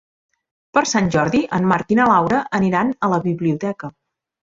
Per Sant Jordi en Marc i na Laura aniran a la biblioteca.